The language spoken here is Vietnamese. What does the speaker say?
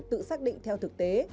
tự xác định theo thực tế